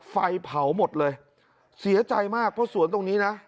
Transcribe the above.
ไฟเผาหมดเลยเสียใจมากเพราะสวนตรงนี้นะ